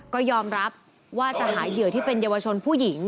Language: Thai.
ก็ยอมรับว่าจะหาเหยื่อที่เป็นเยาวชนผู้หญิง